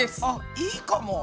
いいかも！